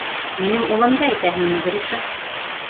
— Минең улымды әйтәһеңме, Гриша?